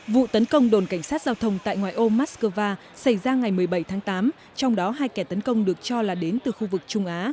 vụ tấn công đồn cảnh sát giao thông tại ngoại ô moscow xảy ra ngày một mươi bảy tháng tám trong đó hai kẻ tấn công được cho là đến từ khu vực trung á